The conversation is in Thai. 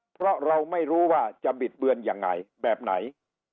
เพราะเราไม่รู้ว่าจะบิดเบือนยังไงแบบไหน